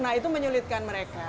nah itu menyulitkan mereka